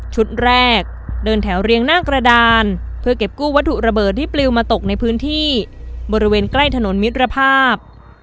แรกเดินแถวเรียงหน้ากระดานเพื่อเก็บกู้วัตถุระเบิดที่ปลิวมาตกในพื้นที่บริเวณใกล้ถนนมิตรภาพ